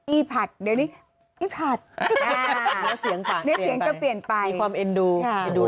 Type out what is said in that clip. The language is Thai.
อี้ผัดเดี๋ยวนี้อี้ผัดเดี๋ยวเสียงก็เปลี่ยนไปมีความเอ็นดู